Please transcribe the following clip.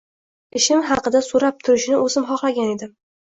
Ishim haqida so’rab turishini o‘zim xohlagan edim.